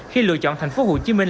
khi lựa chọn thành phố hồ chí minh